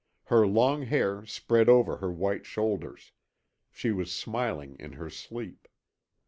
Her long hair spread over her white shoulders, she was smiling in her sleep.